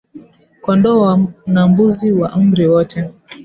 Kondoo na mbuzi wa umri wote